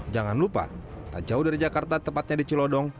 jangan lupa tak jauh dari jakarta tepatnya di cilodong